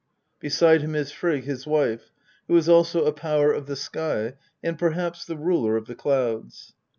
Beside him is Frigg, his wife, who is also a power of the sky, and perhaps the ruler of the clouds.